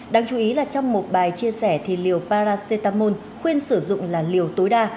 đáng chú ý là trong một bài chia sẻ thì liều paracetamol khuyên sử dụng là liều tối đa